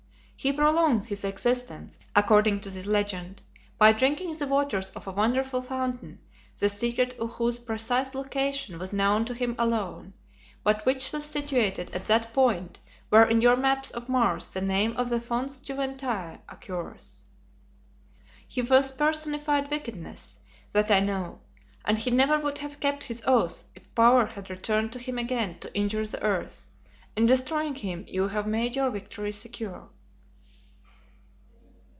He prolonged his existence, according to this legend, by drinking the waters of a wonderful fountain, the secret of whose precise location was known to him alone, but which was situated at that point where in your maps of Mars the name of the Fons Juventae occurs. He was personified wickedness, that I know; and he never would have kept his oath if power had returned to him again to injure the earth. In destroying him, you have made your victory secure."